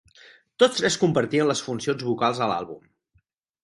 Tots tres compartien les funcions vocals a l'àlbum.